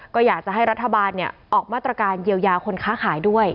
ก็อยากจะให้รัฐบาลออกมาตรการเยียวยาคนค้าขายด้วย